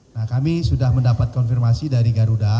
nah kami sudah mendapat konfirmasi dari garuda